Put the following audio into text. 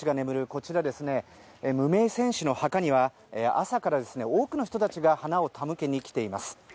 こちら無名戦士の墓には朝から多くの人たちが花を手向けにきています。